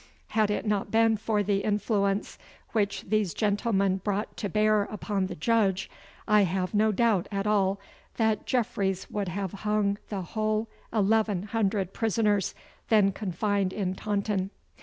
Had it not been for the influence which these gentlemen brought to bear upon the Judge, I have no doubt at all that Jeffreys would have hung the whole eleven hundred prisoners then confined in Taunton.